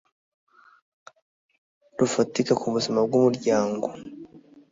rufatika mu buzima bw umuryango